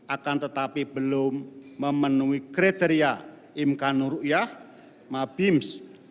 akan tetapi belum memenuhi kriteria imk nuruia mabims